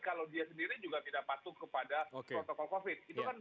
kalau dia sendiri juga tidak patuh kepada protokol covid